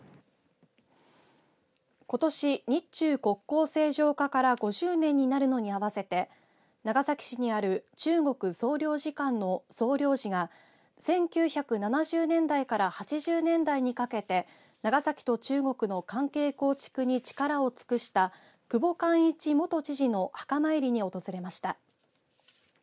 ことし日中国交正常化から５０年になるのに合わせて長崎市にある中国総領事館の総領事が１９７０年代から８０年代にかけて長崎と中国の関係構築に力を尽くした久保勘一元知事の墓参りに訪れました。